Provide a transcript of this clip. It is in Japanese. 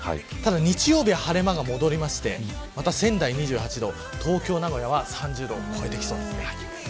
日曜日は晴れ間が戻りまして仙台は２８度東京、名古屋は３０度を超えてきそうです。